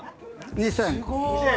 ２，０００。